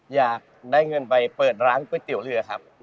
อยากได้เงินไปเปิดร้านก๋วยเตี๋ยวเรือครับ